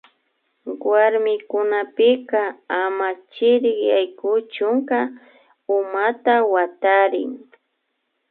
Warmikunapika ama chirik yaykuchuka umata watarin